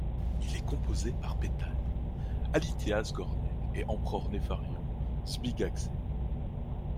Il est composé par Pétal, Alilteas Gornnec et Emperor Napharion Zbiagagzé.